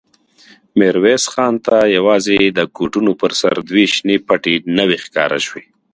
ميرويس خان ته يواځې د کوټونو پر سر دوې شنې پټې نوې ښکاره شوې.